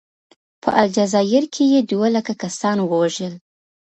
په الجزایر کې یې دوه لکه کسان ووژل.